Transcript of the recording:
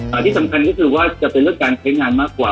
แต่ที่สำคัญก็คือว่าจะเป็นเรื่องการใช้งานมากกว่า